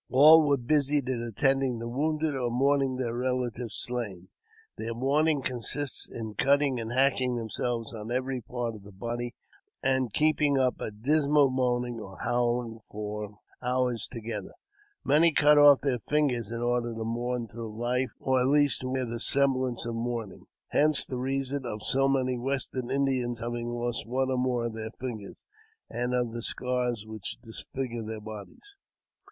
All were busied in attending the wounded, or mourning their relatives slain. Their mourning consists in cutting and hacking themselves on every part of the body, and keeping up a dismal moaning or howling for 10 146 AUTOBIOGBAPHY OF hours together. Many cut off their fingers in order to mourn through hfe, or, at least, to wear the semblance of mourning ; hence the reason of so many Western Indians having lost one or more of their fingers, and of the scars which disfigure their bodies.